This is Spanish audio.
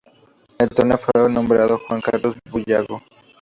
El torneo fue nombrado Juan Carlos Bugallo.